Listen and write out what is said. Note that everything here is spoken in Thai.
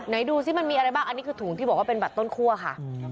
ดูสิมันมีอะไรบ้างอันนี้คือถุงที่บอกว่าเป็นบัตรต้นคั่วค่ะ